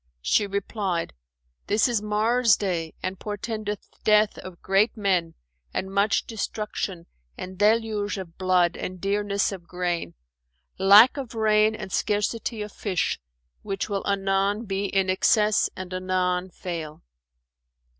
She replied, "That is Mars' day and portendeth death of great men and much destruction and deluge of blood and dearness of grain; lack of rain and scarcity of fish, which will anon be in excess and anon fail.